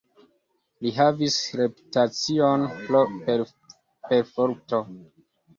Li havis reputacion pro perforto.